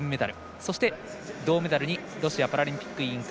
そして銅メダルにロシアパラリンピック委員会